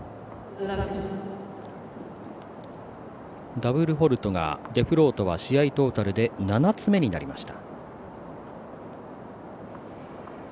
ダブルフォールトがデフロートは試合トータルで７つ目になりました。